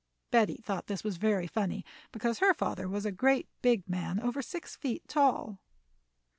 Betty thought this was very funny, because her father was a great big man over six feet tall.